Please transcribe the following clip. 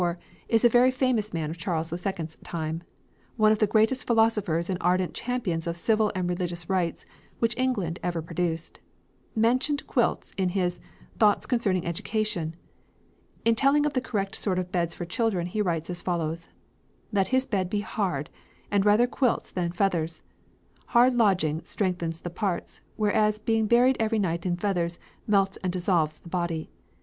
The original quilting designs are very beautiful] John Locke, 1632 1704, a very famous man of Charles II's time, and one of the greatest philosophers and ardent champions of civil and religious rights which England ever produced, mentioned quilts in his "Thoughts Concerning Education." In telling of the correct sort of beds for children he writes as follows: "Let his Bed be hard, and rather Quilts than Feathers. Hard Lodging strengthens the Parts, whereas being buryed every Night in Feathers melts and dissolves the Body....